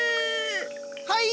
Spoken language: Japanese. はい！